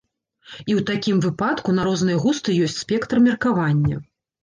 І ў такім выпадку на розныя густы ёсць спектр меркавання.